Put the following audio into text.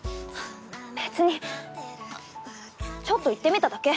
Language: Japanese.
別にちょっと言ってみただけ！